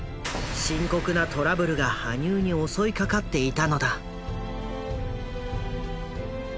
深刻なトラブルが羽生に襲いかかっていたのだ。